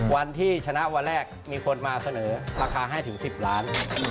วันที่ชนะวันแรกมีคนมาเสนอราคาให้ถึง๑๐ล้าน